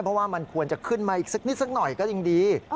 เพราะว่ามันควรจะขึ้นมาอีกสักนิดสักหน่อยก็ยังดี